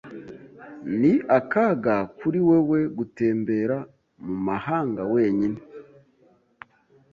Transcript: Ni akaga kuri wewe gutembera mu mahanga wenyine.